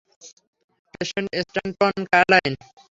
Patient Stanton Carlyle.